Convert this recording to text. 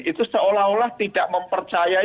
itu seolah olah tidak mempercayai